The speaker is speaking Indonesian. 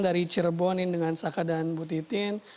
dari cirebonin dengan saka dan butitin